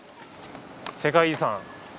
世界遺産。